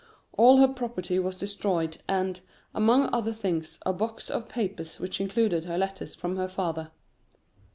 All her property was destroyed, and, among other things, a box of papers which included her letters from her father.